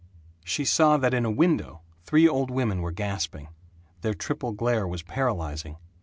She saw that in a window three old women were gasping. Their triple glare was paralyzing.